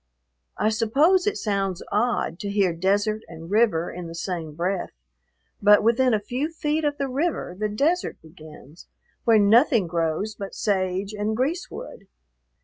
I suppose it sounds odd to hear desert and river in the same breath, but within a few feet of the river the desert begins, where nothing grows but sage and greasewood.